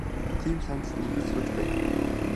Тийм сандалд үргэлж сууж байдаг юм.